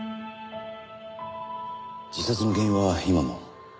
自殺の原因は今も？